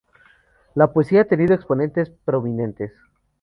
La poesía ha tenido exponentes prominentes.